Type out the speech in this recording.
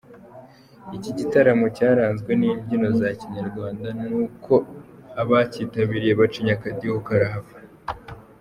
Iki gitaramo cyaranzwe n’imbyino za Kinyarwanda, nuko abakitabiriye bacinya akadiho karahava.